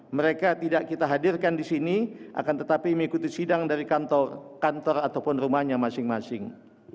mereka tidak kita hadirkan di sini akan tetapi mengikuti sidang dari kantor ataupun rumahnya masing masing